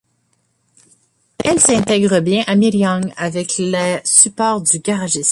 Elle s'intègre bien à Miryang avec les supports du garagiste.